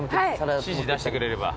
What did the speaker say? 指示出してくれれば。